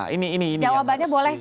ini yang mesti